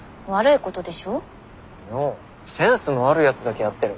いやセンスのあるやつだけやってる。